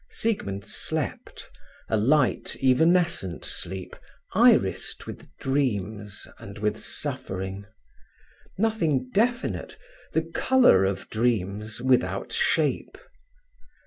Siegmund slept, a light evanescent sleep irised with dreams and with suffering: nothing definite, the colour of dreams without shape.